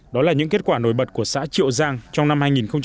đó là những kết quả nổi bật của xã triệu giang trong năm hai nghìn một mươi tám